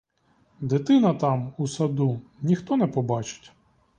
Дитина там, у саду, — ніхто не побачить.